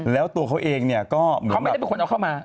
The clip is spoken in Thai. แล้วตัวเขาเองเนี่ยก็เหมือนเขาไม่ได้เป็นคนเอาเข้ามา